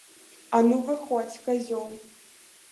А ну выходзь, казёл!